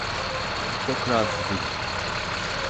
Bu çok rahatsız edici.